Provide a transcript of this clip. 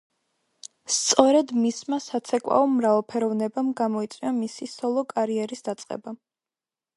სწორედ მისმა საცეკვაო მრავალფეროვნებამ გამოიწვია მისი სოლო კარიერის დაწყება.